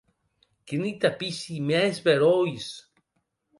Quini tapissi mès beròis!